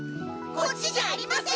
こっちじゃありません！